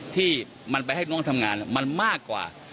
ที่มันไปให้น้องทำงานมันมากกว่า